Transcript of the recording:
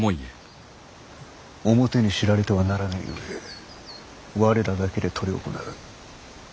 表に知られてはならぬゆえ我らだけで執り行う。